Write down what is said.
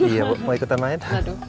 iya bu mau ikutan lain